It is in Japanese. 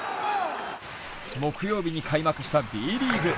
木曜日に開幕したＢリーグ。